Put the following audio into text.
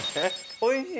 おいしい。